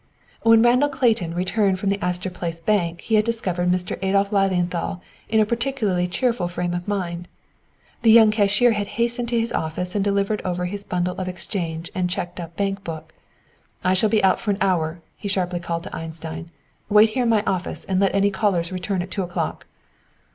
When Randall Clayton returned from the Astor Place Bank he had discovered Mr. Adolph Lilienthal in a particularly cheerful frame of mind. The young cashier had hastened to his office and delivered over his bundle of exchange and checked up bank book. "I shall be out for an hour," he sharply called to Einstein. "Wait here in my office and let any callers return at two o'clock!"